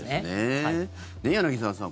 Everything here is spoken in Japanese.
柳澤さん